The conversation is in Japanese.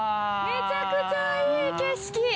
めちゃくちゃいい景色。